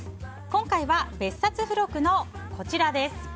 今回は別冊付録のこちらです。